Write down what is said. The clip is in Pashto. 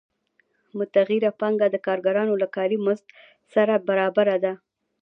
متغیره پانګه د کارګرانو له کاري مزد سره برابره ده